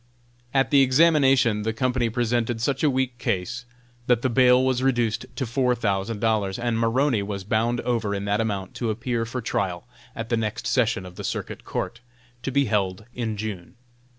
At the examination the Company presented such a weak case that the bail was reduced to four thousand dollars, and Maroney was bound over in that amount to appear for trial at the next session of the circuit court, to be held in June.